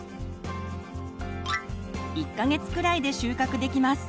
１か月くらいで収穫できます。